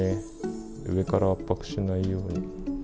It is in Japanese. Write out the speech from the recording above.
上から圧迫しないように。